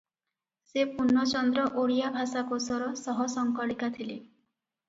ସେ ପୂର୍ଣ୍ଣଚନ୍ଦ୍ର ଓଡ଼ିଆ ଭାଷାକୋଷର ସହସଂକଳିକା ଥିଲେ ।